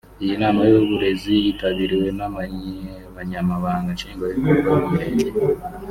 Iyi nama y’uburezi yitabiriwe n’abanyamabanga nshingwabikorwa b’imirenge